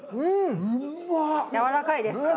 やわらかいですか？